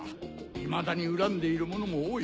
いまだに恨んでいる者も多い。